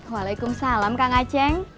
waalaikumsalam kang acing